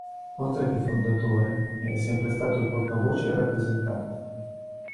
Oltre che fondatore, ne è sempre stato il portavoce e il rappresentante.